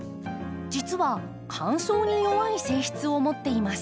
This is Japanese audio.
実は乾燥に弱い性質を持っています。